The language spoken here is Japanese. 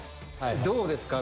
どうですか？